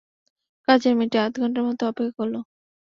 কাজের মেয়েটি আধা ঘন্টার মতো অপেক্ষা করল।